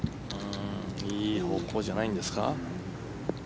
いい方向じゃないんですか？